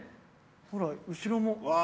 ほら後ろもねえ